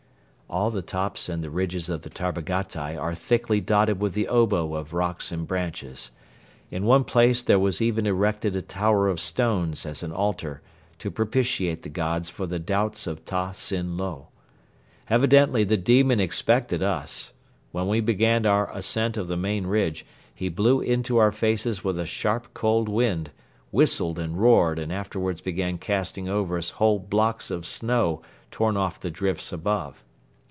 All the tops of the ridges of the Tarbagatai are thickly dotted with the obo of rocks and branches. In one place there was even erected a tower of stones as an altar to propitiate the Gods for the doubts of Ta Sin Lo. Evidently the demon expected us. When we began our ascent of the main ridge, he blew into our faces with a sharp, cold wind, whistled and roared and afterwards began casting over us whole blocks of snow torn off the drifts above.